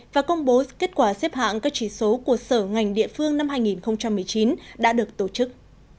và công bố kết quả xếp hạng các chỉ số của sở ngành địa phương năm hai nghìn một mươi chín đã được tổ chức